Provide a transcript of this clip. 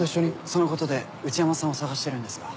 そのことで内山さんを捜してるんですが。